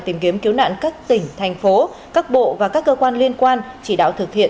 tìm kiếm cứu nạn các tỉnh thành phố các bộ và các cơ quan liên quan chỉ đạo thực hiện